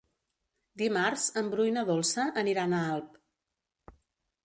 Dimarts en Bru i na Dolça aniran a Alp.